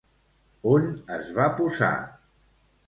On es va posar?